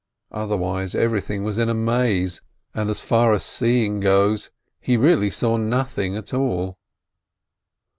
Otherwise everything was in a maze, and as far as seeing goes, he really saw nothing at all.